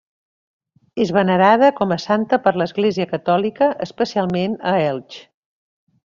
És venerada com a santa per l'Església catòlica, especialment a Elx.